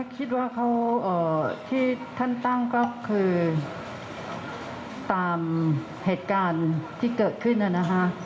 คิดว่าเขาที่ท่านตั้งก็คือตามเหตุการณ์ที่เกิดขึ้นนะคะ